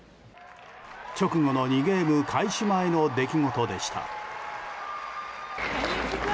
直後の２ゲーム開始前の出来事でした。